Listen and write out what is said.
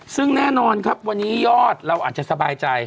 ซึ่งแน่นอนครับวันนี้ยอดเราอาจจะสบายใจ